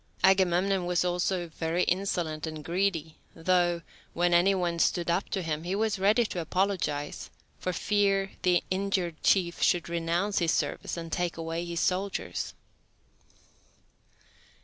Agamemnon was also very insolent and greedy, though, when anybody stood up to him, he was ready to apologise, for fear the injured chief should renounce his service and take away his soldiers.